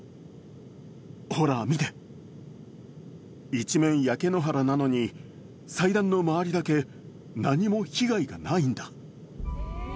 一面焼け野原なのに祭壇の周りだけ何も被害がないんだ。